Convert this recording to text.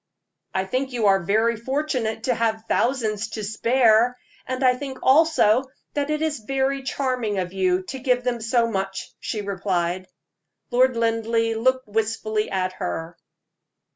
"I think you are very fortunate to have thousands to spare; and I think also that it is very charming of you to give them so much," she replied. Lord Linleigh looked wistfully at her.